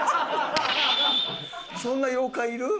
そんな妖怪いる？